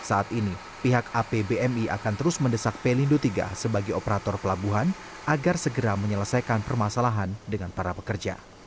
saat ini pihak apbmi akan terus mendesak pelindo iii sebagai operator pelabuhan agar segera menyelesaikan permasalahan dengan para pekerja